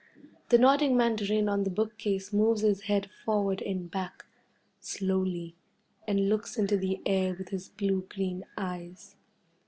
The nodding mandarin on the bookcase moves his head forward and back, slowly, and looks into the air with his blue green eyes.